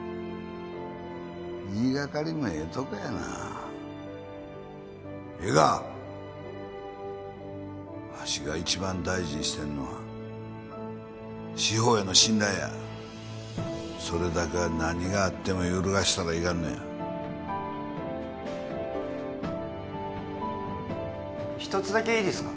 言いがかりもええとこやなええかわしが一番大事にしてんのは司法への信頼やそれだけは何があっても揺るがしたらいかんのや一つだけいいですか？